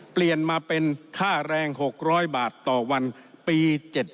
เปลี่ยนมาเป็นค่าแรง๖๐๐บาทต่อวันปี๗๗